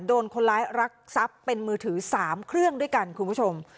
โดนคนร้ายรักทรัพย์เป็นมือถือ๓เครื่องด้วยกันคุณผู้ชม